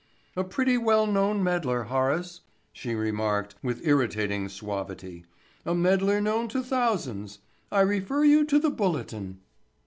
"A pretty well known meddler, Horace," she remarked with irritating suavity. "A meddler known to thousands. I refer you to the Bulletin."